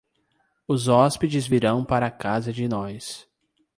Os hóspedes virão para casa de nós.